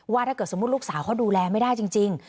ถ้าเกิดสมมุติลูกสาวเขาดูแลไม่ได้จริง